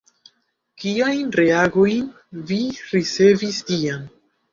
Kiajn reagojn vi ricevis tiam?